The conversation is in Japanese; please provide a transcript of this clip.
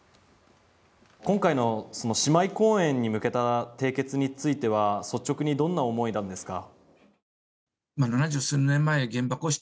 今回の姉妹公園に向けた締結については率直にどんな思いなんですか？